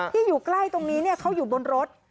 อยู่ใกล้ตรงนี้เขาอยู่บนรถ